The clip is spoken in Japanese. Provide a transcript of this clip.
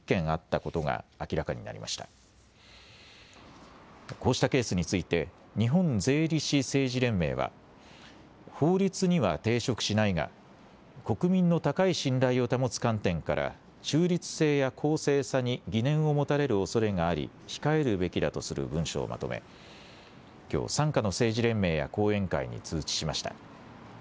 こうしたケースについて日本税理士政治連盟は法律には抵触しないが国民の高い信頼を保つ観点から中立性や公正さに疑念を持たれるおそれがあり控えるべきだとする文書をまとめきょう傘下の政治連盟や後援会に通知しました。